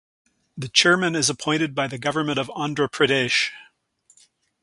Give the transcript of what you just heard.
The chairman is appointed by the Government of Andhra Pradesh.